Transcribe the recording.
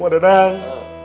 oh udah dong